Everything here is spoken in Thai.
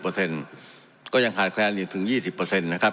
เปอร์เซ็นต์ก็ยังขาดแคลนยังถึงยี่สิบเปอร์เซ็นต์นะครับ